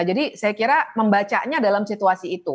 jadi saya kira membacanya dalam situasi itu